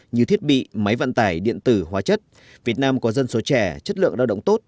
như thiết bị máy vận tải điện tử hóa chất việt nam có dân số trẻ chất lượng lao động tốt